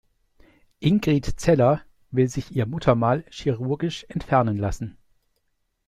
Ingrid Zeller will sich ihr Muttermal chirurgisch entfernen lassen.